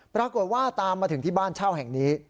ปรากฏว่าตามมาถึงที่บ้านเช่าแห่งนี้